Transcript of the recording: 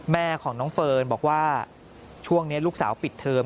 แม่ของน้องเฟิร์นบอกว่าช่วงนี้ลูกสาวปิดเทอม